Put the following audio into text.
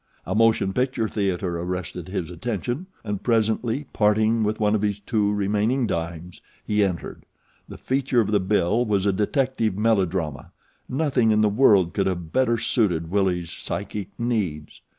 A motion picture theater arrested his attention; and presently, parting with one of his two remaining dimes, he entered. The feature of the bill was a detective melodrama. Nothing in the world could have better suited Willie's psychic needs.